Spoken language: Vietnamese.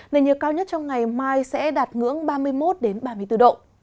nền nhiệt cao nhất trong ngày mai sẽ đạt ngưỡng ba mươi một ba mươi bốn độ